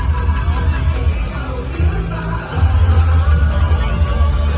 ทุกสินวิธยาควายน้ำไตน้อยไหลโล